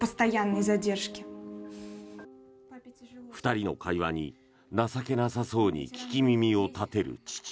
２人の会話に情けなさそうに聞き耳を立てる父。